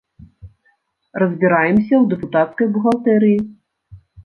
Разбіраемся ў дэпутацкай бухгалтэрыі.